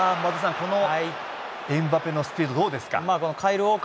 このエムバペのスピードどうですか？